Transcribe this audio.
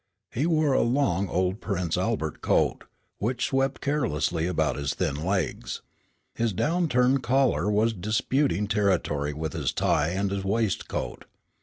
He wore a long, old Prince Albert coat, which swept carelessly about his thin legs. His turndown collar was disputing territory with his tie and his waistcoat.